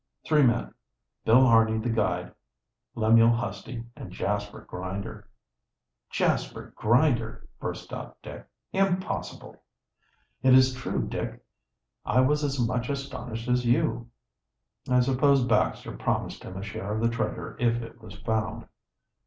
"Three men, Bill Harney the guide, Lemuel Husty, and Jasper Grinder." "Jasper Grinder!" burst out Dick. "Impossible!" "It is true, Dick. I was as much astonished as you." "I suppose Baxter promised him a share of the treasure if it was found."